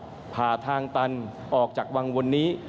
ผ่าทางตันออกจากวังวนนี้